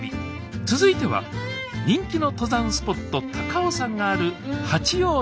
続いては人気の登山スポット高尾山がある八王子市。